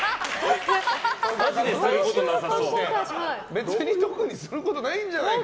別に特にすることないんじゃないかって。